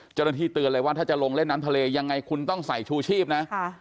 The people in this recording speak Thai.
เจ้าหน้าที่เตือนเลยว่าถ้าจะลงเล่นน้ำทะเลยังไงคุณต้องใส่ชูชีพนะ